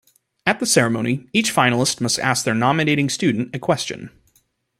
At the ceremony, each finalist must ask their nominating student a question.